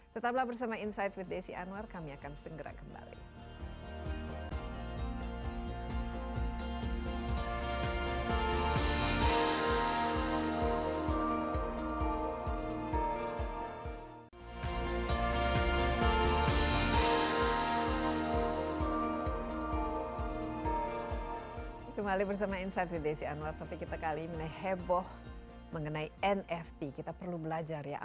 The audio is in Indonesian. tetaplah bersama insight with desi anwar kami akan segera kembali